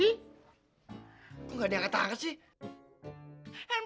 iya yang ada eike di taman lapangan banteng